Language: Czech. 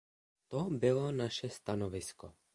To bylo naše stanovisko.